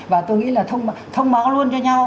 và tôi nghĩ là thông báo luôn cho nhau